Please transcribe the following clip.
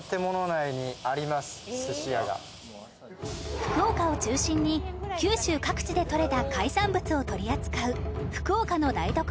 福岡を中心に九州各地でとれた海産物を取り扱う福岡の台所